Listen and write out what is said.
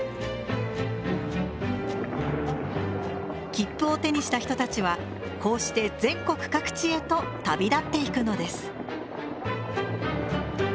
切符を手にした人たちはこうして全国各地へと旅立っていくのです。